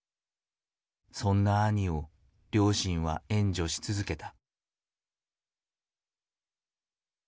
そんな兄を両親は援助し続けた。